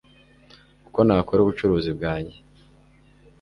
uko nakora ubucuruzi bwanjye